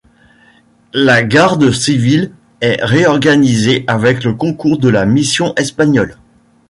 La Garde Civile est réorganisée avec le concours de la mission espagnole.